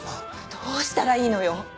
どうしたらいいのよ。